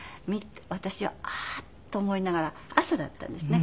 私はああーっと思いながら朝だったんですね。